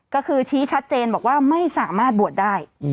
ก็คือชี้ชัดเจนบอกว่าไม่สามารถบวชได้